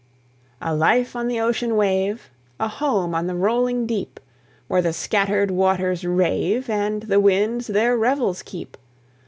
A life on the ocean wave, A home on the rolling deep, Where the scattered waters rave, And the winds their revels keep!